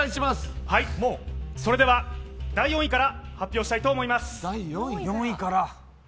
それでは第４位から発表したいと思います。